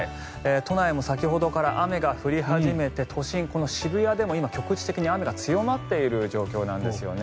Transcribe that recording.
都内も先ほどから雨が降り始めて都心、この渋谷でも今、局地的に雨が強まっている状況なんですね。